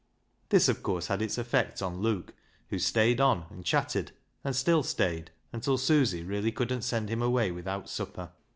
This, of course, had its effect on Luke, who stayed on and LEAH'S LOVER 8i chatted, and still stayed, until Susy really couldn't send him away without supper.